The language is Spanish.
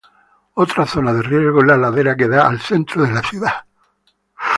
Otra zona de riesgo es la ladera que da al centro de la ciudad.